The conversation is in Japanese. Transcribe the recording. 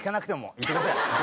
いってください。